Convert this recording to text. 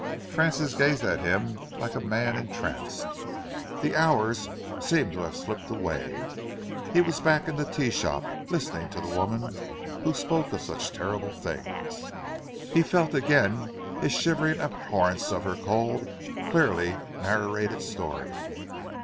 Francis gazed at him like a man entranced. The hours seemed to have slipped away. He was back in the tea shop, listening to the woman who spoke of terrible things. He felt again his shivering abhorrence of her cold, clearly narrated story.